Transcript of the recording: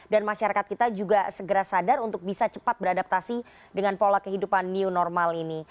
dan masyarakat kita juga segera sadar untuk bisa cepat beradaptasi dengan pola kehidupan new normal ini